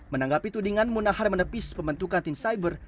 menanggapi tudingan munahar menepis pembentukan tim cyber